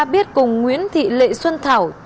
biết cùng nguyễn thị lệ xuân thảo